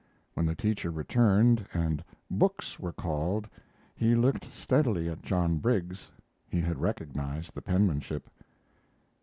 When the teacher returned and "books" were called he looked steadily at John Briggs. He had recognized the penmanship.